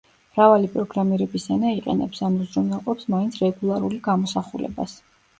მრავალი პროგრამირების ენა იყენებს ან უზრუნველყოფს მაინც რეგულარული გამოსახულებას.